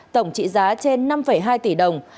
tổng trị giá trên năm hai tỷ đồng